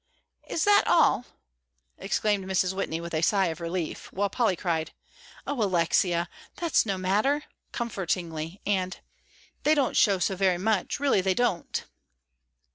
"Is that all?" exclaimed Mrs. Whitney, with a sigh of relief; while Polly cried, "Oh, Alexia, that's no matter," comfortingly, "and they don't show so very much; really they don't."